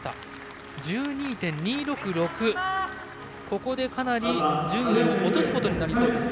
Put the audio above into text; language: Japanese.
ここでかなり順位を落とすことになりそうです。